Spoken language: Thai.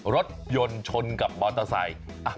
รถยนต์ชนกับมอเตอร์ไซค์